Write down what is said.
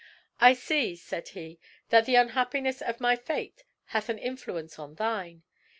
"I see," said he, "that the unhappiness of my fate hath an influence on thine.